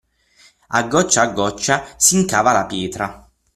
A goccia a goccia s'incava la pietra.